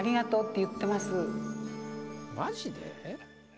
マジで？